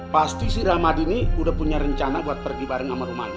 pasti si ramadi ini udah punya rencana buat pergi bareng sama romana